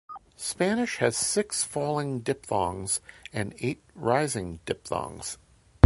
Spanish has six falling diphthongs and eight rising diphthongs.